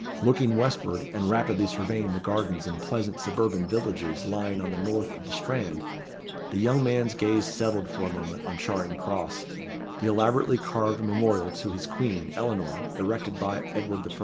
Looking westward, and rapidly surveying the gardens and pleasant suburban villages lying on the north of the Strand, the young man's gaze settled for a moment on Charing Cross the elaborately carved memorial to his Queen, Eleanor, erected by Edward I.